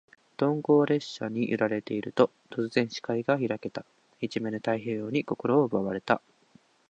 鈍行列車に揺られていると、突然、視界が開けた。一面の太平洋に心を奪われた。